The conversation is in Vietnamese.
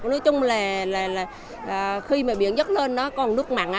nói chung là khi mà biển dớt lên nó còn nước mặn